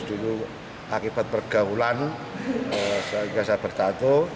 dulu akibat pergaulan saya bertatu